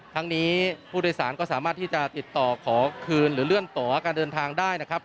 ทั้งนี้ผู้โดยสารก็สามารถที่จะติดต่อขอคืนหรือเลื่อนต่อการเดินทางได้นะครับ